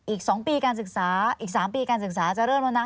อีก๒ปีการศึกษาอีก๓ปีการศึกษาจะเริ่มแล้วนะ